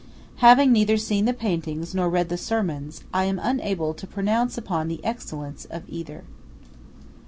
Having neither seen the paintings nor read the sermons, I am unable to pronounce upon the excellence of either.